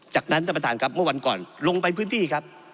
จากนั้นตำรวจด้วยกับเมื่อวันก่อนลงไปพื้นที่ครับ